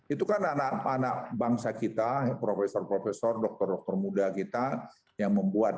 itu kan anak anak bangsa kita profesor profesor dokter dokter muda kita yang membuat